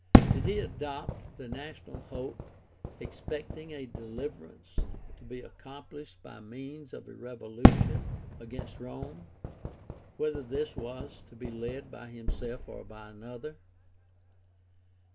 Did he adopt the national hope, expecting a deliverance to be accomphshed by means of a revolution against Rome, whether this was to be led by himself or by another